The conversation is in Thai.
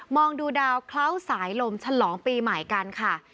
องดูดาวเคล้าสายลมฉลองปีใหม่กันค่ะ